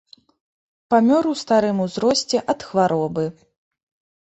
Памёр у старым узросце ад хваробы.